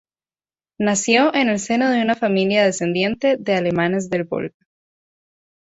Nació en el seno de una familia descendiente de alemanes del Volga.